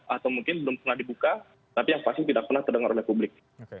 atau mungkin belum pernah dibuka tapi yang pasti tidak pernah terdengar oleh publik